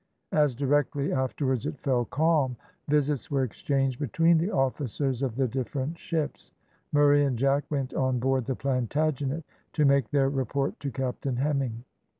As directly afterwards it fell calm, visits were exchanged between the officers of the different ships. Murray and Jack went on board the Plantagenet to make their report to Captain Hemming.